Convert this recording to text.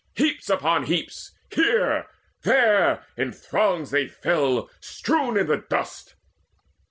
Heaps upon heaps, here, there, in throngs they fell Strewn in the dust.